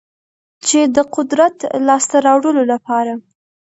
چې د قدرت لاسته راوړلو لپاره